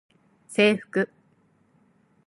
制服